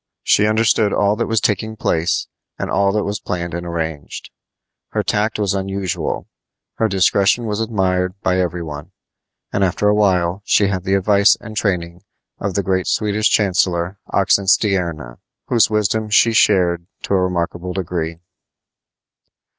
She understood all that was taking place, and all that was planned and arranged. Her tact was unusual. Her discretion was admired by every one; and after a while she had the advice and training of the great Swedish chancellor, Oxenstierna, whose wisdom she shared to a remarkable degree.